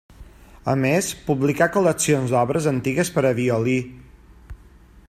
A més, publicà col·leccions d'obres antigues per a violí.